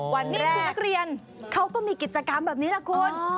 วันนี้คุณนักเรียนเขาก็มีกิจกรรมแบบนี้ล่ะคุณ